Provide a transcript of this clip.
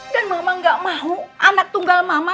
dan mama gak mau anak tunggal mama